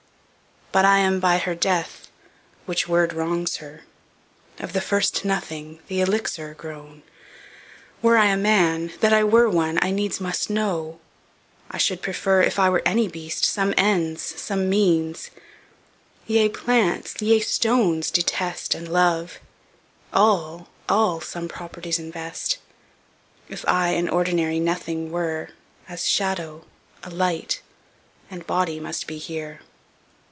But I am by her death, (which word wrongs her) Of the first nothing, the Elixer grown; Were I a man, that I were one, I needs must know; I should preferre, If I were any beast, Some ends, some means; Yea plants, yea stones detest, And love; All, all some properties invest; If I an ordinary nothing were, As shadow, a light, and body must be here.